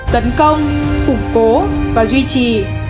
tấn công củng cố và duy trì